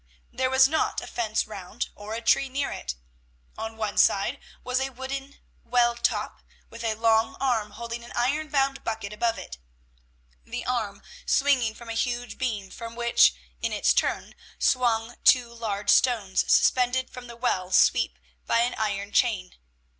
There was not a fence round, or a tree near it. On one side was a wooden well top, with a long arm holding an iron bound bucket above it, the arm swinging from a huge beam, from which, in its turn, swung two large stones, suspended from the well sweep by an iron chain.